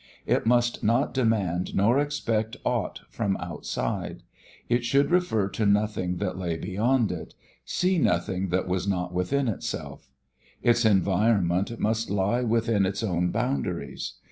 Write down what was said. It must not demand nor expect aught from outside, it should refer to nothing that lay beyond it, see nothing that was not within itself; its environment must lie within its own boundaries.